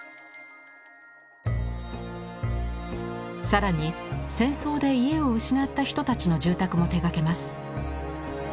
更に戦争で家を失った人たちの住宅も手がけます。